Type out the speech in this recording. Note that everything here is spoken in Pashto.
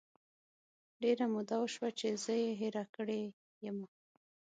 ډیره موده وشوه چې زه یې هیره کړی یمه